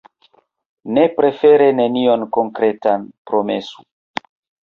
Ni prefere nenion konkretan promesu.